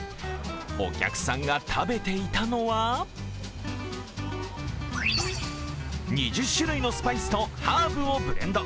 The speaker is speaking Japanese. お客さんが食べていたのは２０種類のスパイスとハーブをブレンド。